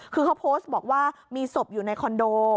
คือเขาโพสต์บอกว่ามีศพอยู่ในคอนโด